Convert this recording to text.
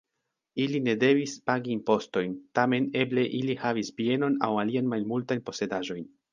Ili ne devis pagi impostojn, tamen eble ili havis bienon aŭ aliajn malmultajn posedaĵojn.